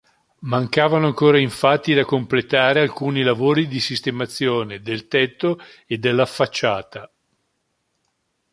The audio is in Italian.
Mancavano ancora infatti da completare alcuni lavori di sistemazione del tetto e della facciata.